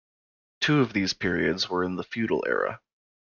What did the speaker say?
Two of these periods were in the feudal era.